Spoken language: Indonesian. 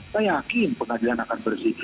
saya yakin pengadilan akan bersih